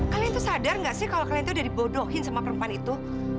kalian itu sadar gak sih kalau kalian tuh udah dibodohin sama perempuan itu